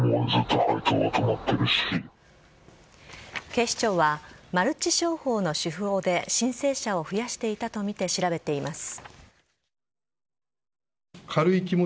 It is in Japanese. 警視庁はマルチ商法の手法で申請者を増やしていたとみて調べています。